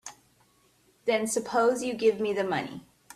Then suppose you give me the money.